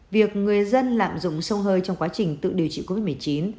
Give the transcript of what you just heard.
việc người dân lạm dụng sông hơi trong quá trình tự điều trị covid một mươi chín